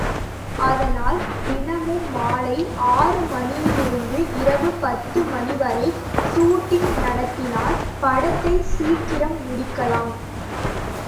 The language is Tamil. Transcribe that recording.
அதனால் தினமும் மாலை ஆறு மணியிலிருந்து இரவு பத்து மணிவரை சூட்டிங் நடத்தினால் படத்தைச் சீக்கிரம் முடிக்கலாம்.